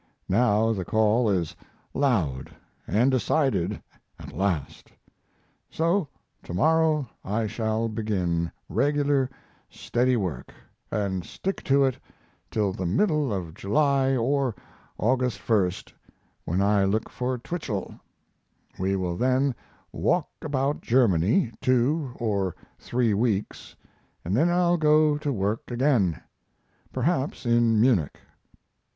Now the call is loud and decided at last. So to morrow I shall begin regular, steady work, and stick to it till the middle of July or August 1st, when I look for Twichell; we will then walk about Germany two or three weeks, and then I'll go to work again (perhaps in Munich).